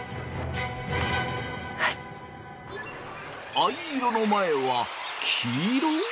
藍色の前は黄色？